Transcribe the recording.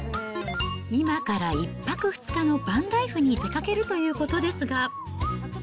今から１泊２日のバンライフに出かけるということですが。